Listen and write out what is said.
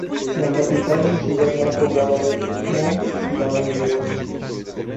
La capital y ciudad más poblada es Mont-Laurier.